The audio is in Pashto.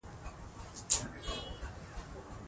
نالوستې ښځې نشي کولای ماشومان ښه وروزي.